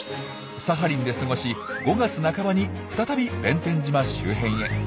サハリンで過ごし５月半ばに再び弁天島周辺へ。